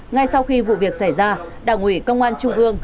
ngay sau khi vụ việc xảy ra đảng ủy công an trung ương